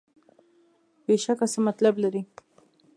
بېشکه څه مطلب لري.